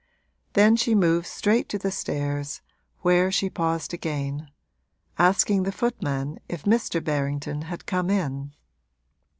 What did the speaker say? Then she moved straight to the stairs, where she paused again, asking the footman if Mr. Berrington had come in.